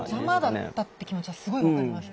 邪魔だったって気持ちはすごい分かります。